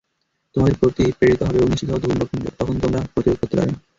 তোমাদের প্রতি প্রেরিত হবে অগ্নিশিখা ও ধূম্রপুঞ্জ, তখন তোমরা প্রতিরোধ করতে পারবে না।